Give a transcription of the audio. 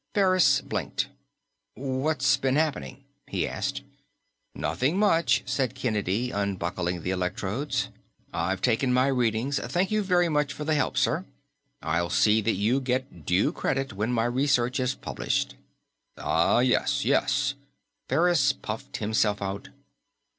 Ferris blinked. "What's been happening?" he asked. "Nothing much," said Kennedy, unbuckling the electrodes. "I've taken my readings. Thank you very much for the help, sir. I'll see that you get due credit when my research is published." "Ah yes. Yes." Ferris puffed himself out.